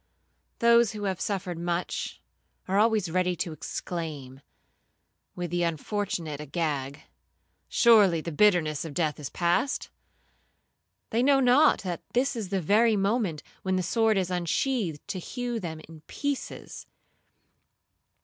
Those who have suffered much, are always ready to exclaim, with the unfortunate Agag, 'Surely the bitterness of death is past.' They know not, that that is the very moment when the sword is unsheathed to hew them in pieces.